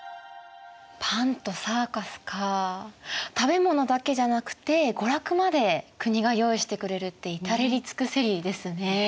食べ物だけじゃなくて娯楽まで国が用意してくれるって至れり尽くせりですね。